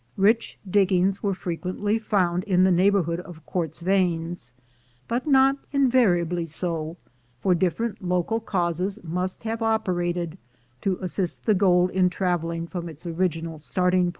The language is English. Rich diggings were frequently found in the neighborhood of quartz veins, but not invariably so, for different local causes must have operated to assist the gold in traveling from its original starting point.